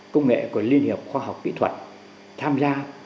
công nghệ của liên hiệp khoa học kỹ thuật tham gia